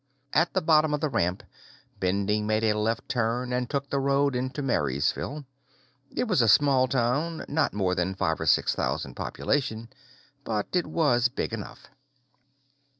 At the bottom of the ramp, Bending made a left turn and took the road into Marysville. It was a small town, not more than five or six thousand population, but it was big enough.